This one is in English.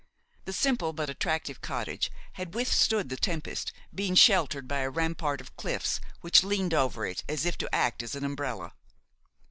The simple but attractive cottage had withstood the tempest, being sheltered by a rampart of cliffs which leaned over it as if to act as an umbrella.